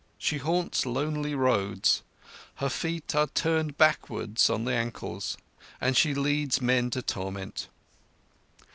She haunts lonely roads, her feet are turned backwards on the ankles, and she leads men to torment.